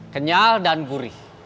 kenyal dan gurih